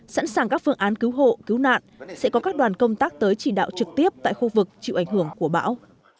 sẵn sàng các phương án cứu hộ cứu nạn sẽ có các đoàn công tác tới chỉ đạo trực tiếp tại khu vực chịu ảnh hưởng của bão